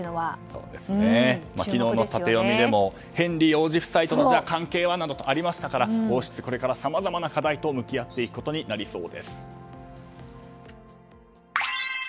昨日のタテヨミでもヘンリー王子夫妻との関係は？とかありましたから王室、これからさまざまな課題と向き合うことになりそうです。